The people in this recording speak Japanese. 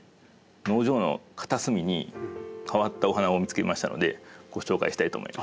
農場の片隅に変わったお花を見つけましたのでご紹介したいと思います。